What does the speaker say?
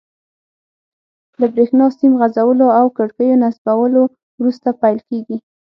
له بریښنا سیم غځولو او کړکیو نصبولو وروسته پیل کیږي.